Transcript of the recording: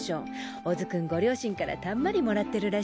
小津君ご両親からたんまりもらってるらしいのよ。